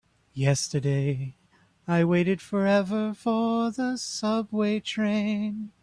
Yesterday I waited forever for the subway train.